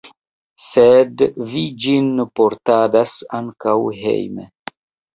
Sed vi ĝin portadas ankaŭ hejme.